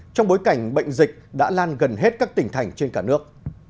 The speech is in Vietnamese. trong bối cảnh bệnh dịch đã lan gần hết các tỉnh thành trên cả nước